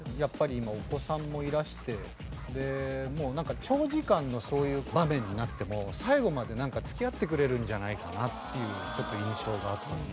今お子さんもいらしてでもうなんか長時間のそういう場面になっても最後まで付き合ってくれるんじゃないかなっていうちょっと印象があったので。